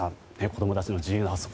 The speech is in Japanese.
子供たちの自由な発想。